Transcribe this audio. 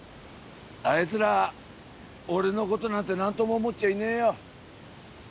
あいつら俺のことなんて何とも思っちゃいねえよ